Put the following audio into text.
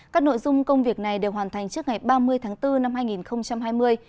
các nội dung công việc này đều hoàn thành trước ngày ba mươi tháng bốn năm hai nghìn hai mươi